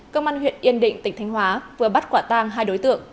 cơ quan huyện yên định tỉnh thánh hóa vừa bắt quả tang hai đối tượng